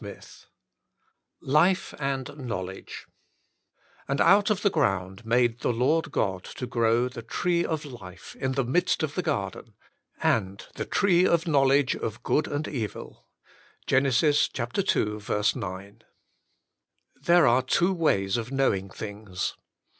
XII LIFE AND KNOWLEDGE And out of the ground made the Lord God to grow the tree of life in the midst of the garden, and the tree of knowledge of good and evil." — Gen. ii. 9. There are two ways of knowing things.